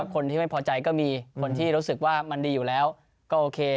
คนที่ไม่พอใจก็มีคนที่รู้สึกว่ามันดีอยู่แล้วก็โอเค